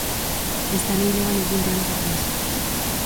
Esta lei lévanos vinte anos atrás.